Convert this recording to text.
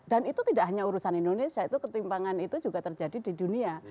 dan itu tidak hanya urusan indonesia itu ketimpangan itu juga terjadi di dunia